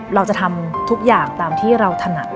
เราจะทำทุกอย่างตามที่เราถนัด